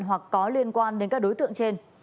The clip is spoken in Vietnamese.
hoặc có liên quan đến các đối tượng trên